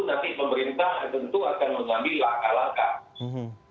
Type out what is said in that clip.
nanti pemerintah tentu akan mengambil langkah langkah